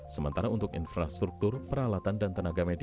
sementara untuk infrastruktur peralatan dan tenaga medis